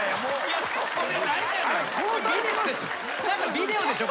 ビデオでしょ？